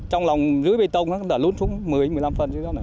trong lòng dưới bê tông đã lút xuống một mươi một mươi năm phân